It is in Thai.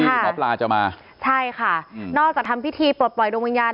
ก่อนที่รับราจะมาใช่ค่ะอืมนอกจากทำพิธีปลดปล่อยโดมงาน